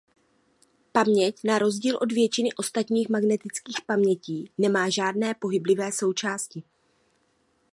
Paměť na rozdíl od většiny ostatních magnetických pamětí nemá žádné pohyblivé součásti.